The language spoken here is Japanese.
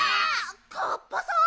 カッパさん？